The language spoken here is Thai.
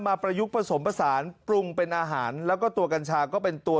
ประยุกต์ผสมผสานปรุงเป็นอาหารแล้วก็ตัวกัญชาก็เป็นตัว